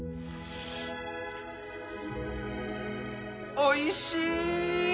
おいしい！